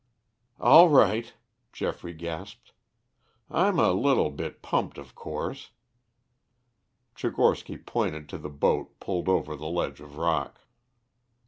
"All right," Geoffrey gasped. "I'm a little bit pumped, of course." Tchigorsky pointed to the boat pulled over the ledge of rock.